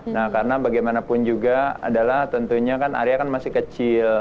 nah karena bagaimanapun juga adalah tentunya kan area kan masih kecil